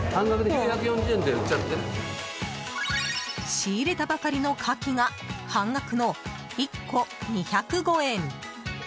仕入れたばかりの牡蠣が半額の１個２０５円。